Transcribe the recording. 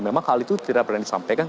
memang hal itu tidak pernah disampaikan